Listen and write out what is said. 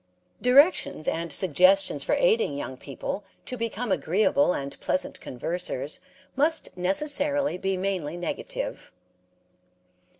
Directions and suggestions for aiding young people to become agreeable and pleasant conversers must necessarily be mainly negative.